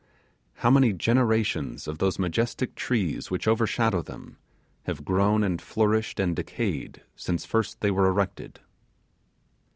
How many generations of the majestic trees which overshadow them have grown and flourished and decayed since first they were erected!